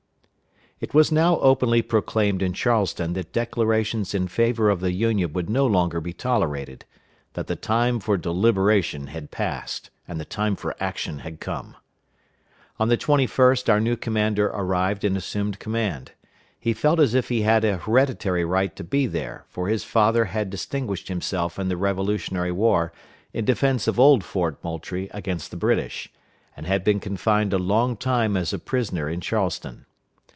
It was now openly proclaimed in Charleston that declarations in favor of the Union would no longer be tolerated; that the time for deliberation had passed, and the time for action had come. On the 21st our new commander arrived and assumed command. He felt as if he had a hereditary right to be there, for his father had distinguished himself in the Revolutionary War in defense of old Fort Moultrie against the British, and had been confined a long time as a prisoner in Charleston.